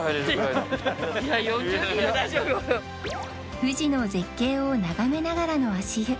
富士の絶景を眺めながらの足湯